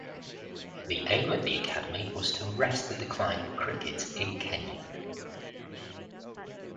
The aim of the academy was to arrest the decline of cricket in Kenya.